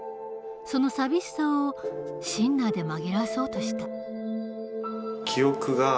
その寂しさをシンナーで紛らわそうとした。